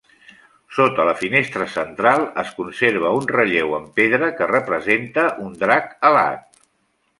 Sota la finestra central es conserva un relleu en pedra que representa un drac alat.